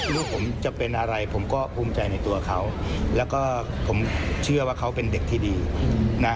ลูกผมจะเป็นอะไรผมก็ภูมิใจในตัวเขาแล้วก็ผมเชื่อว่าเขาเป็นเด็กที่ดีนะ